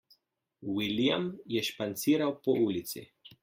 William je španciral po ulici.